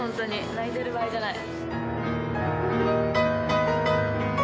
泣いてる場合じゃない。